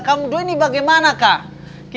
kamu do ini bagaimana kak